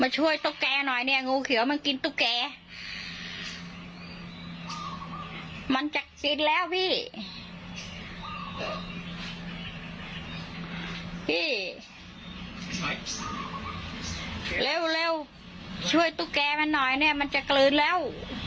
ช่วยตุ๊กแก่มันหน่อยเนี่ยมันจะเกลือนแล้ว